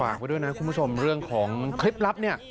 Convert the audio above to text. ไว้ด้วยนะคุณผู้ชมเรื่องของเคล็ดลับเนี่ย